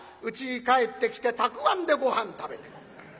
うちに帰ってきてたくあんでごはん食べて。